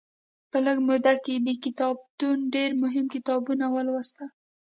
په لږه موده کې یې د کتابتون ډېر مهم کتابونه ولوستل.